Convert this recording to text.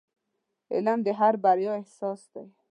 • علم د هر بریا اساس دی.